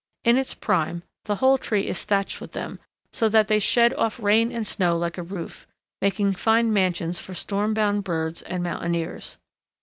In its prime, the whole tree is thatched with them, so that they shed off rain and snow like a roof, making fine mansions for storm bound birds and mountaineers.